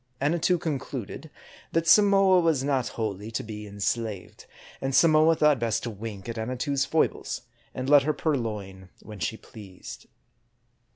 Annatoo concluded that Samoa was not wholly to be enslaved ; and Samoa thought best to wink at Annatoo's foibles, and let her purloin when she pleased.